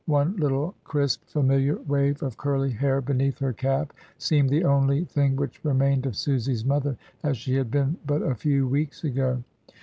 One little crisp, familiar wave of curly hair beneath her cap seemed the only thing which remained of Susy's mother as she had been but a few weeks ago.